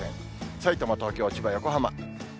さいたま、東京、千葉、横浜。